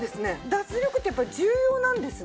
脱力ってやっぱり重要なんですね。